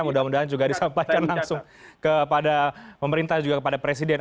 mudah mudahan juga disampaikan langsung kepada pemerintah juga kepada presiden